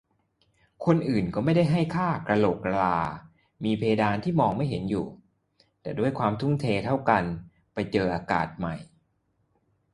คนอื่นก็ไม่ได้ให้ค่า "กะโหลกกะลา" มีเพดานที่มองไม่เห็นอยู่ แต่ด้วยความทุ่มเทเท่ากัน ไปเจออากาศใหม่